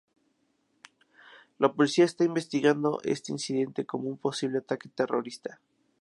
La policía está investigando este incidente como un posible ataque terrorista.